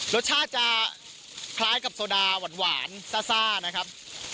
รสชาติจะคล้ายกับโซดาหวานซ่านะครับ